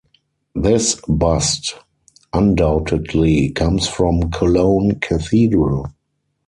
This bust undoubtedly comes from Cologne Cathedral.